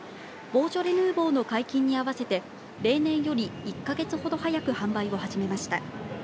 ボージョレ・ヌーボーの解禁に合わせて例年より１か月ほど早く販売を始めました。